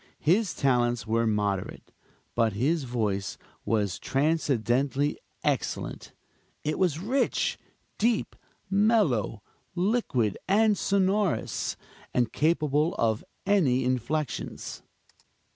His talents were moderate; but his voice was transcendently excellent. It was rich, deep, mellow, liquid and sonorous, and capable of any inflections.